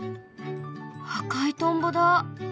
赤いトンボだ。